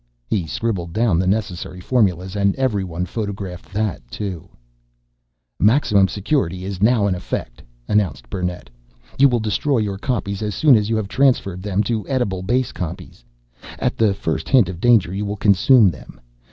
He scribbled down the necessary formulas and everyone photographed that too. "Maximum security is now in effect," announced Burnett. "You will destroy your copies as soon as you have transferred them to edible base copies. At the first hint of danger you will consume them.